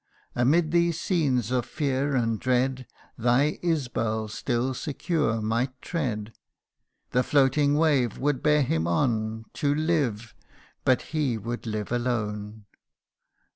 Amid these scenes of fear and dread, Thy Isbal, still secure, might tread : The floating wave would bear him on To live but he would live alone.